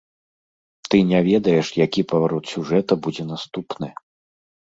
Ты не ведаеш, які паварот сюжэта будзе наступны.